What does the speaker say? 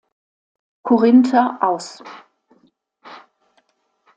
Korinther aus.